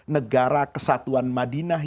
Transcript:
negara kesatuan madinah